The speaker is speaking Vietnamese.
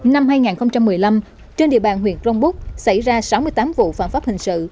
năm hai nghìn một mươi năm trên địa bàn huyện crong búc xảy ra sáu mươi tám vụ phạm pháp hình sự